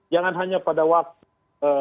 jangan hanya pada waktu